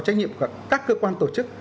trách nhiệm của các cơ quan tổ chức